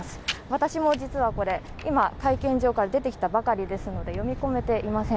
私も実は、今、会見場から出てきたばかりですので読み込めていません。